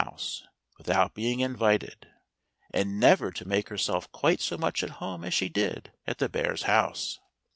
house without being invited, and never to make herself quite so much at home as she did at the bears' house.